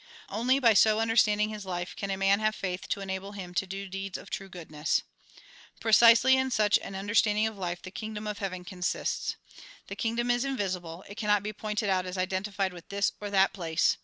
Only by so understanding his life, can a man have faith to enable him to do deeds of true goodness. Precisely in such an understanding of life, the A RECAPITULATION 199 Kingdom of Heaven consists. This Kingdom is invisible ; it cannot be pointed out as identified with this or that place.